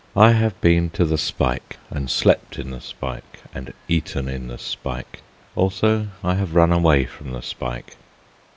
I have been to the spike, and slept in the spike, and eaten in the spike; also, I have run away from the spike.